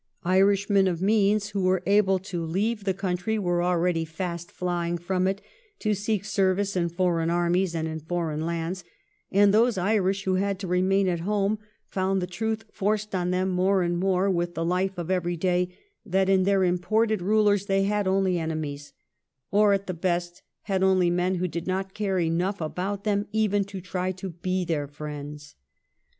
Irishmen of means who were able to leave the country were already fast flying from it to seek service in foreign armies and in foreign lands, and those Irish who had to remain at home found the truth forced on them more and more with the life of every day that in their imported rulers they had only enemies, or at the best had only men who did not care enough about them even to try to be their friends.